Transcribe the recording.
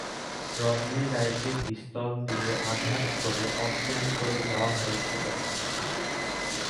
Rodney রায়কে পিস্তল দিয়ে আঘাত করে অজ্ঞান করে দেওয়া হয়েছিল।